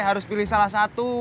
harus pilih salah satu